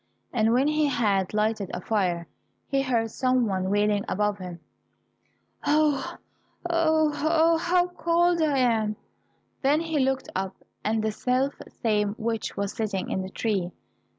And when he had lighted a fire, he heard some one wailing above him, "Oh, oh, oh, how cold I am!" Then he looked up, and the self same witch was sitting in the tree.